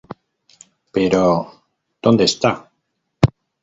Pero ¿dónde está?